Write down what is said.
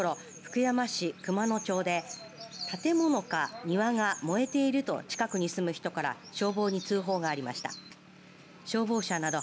昨夜１０時半ごろ福山市熊野町で建物か庭が燃えていると近くに住む人から消防に通報がありました。